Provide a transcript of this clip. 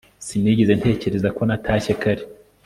sinigeze ntekereza ko natashye kare